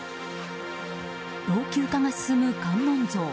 老朽化が進む観音像。